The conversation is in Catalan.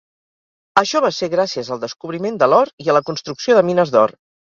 Això va ser gràcies al descobriment de l'or i a la construcció de mines d'or.